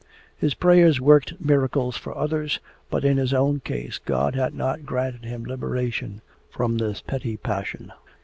His prayers worked miracles for others, but in his own case God had not granted him liberation from this petty passion.